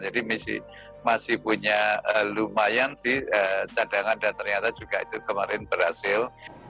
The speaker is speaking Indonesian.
jadi masih punya lumayan cadangan dan ternyata juga itu kemarin berhasil